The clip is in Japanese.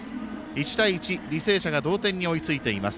１対１、履正社が同点に追いついています。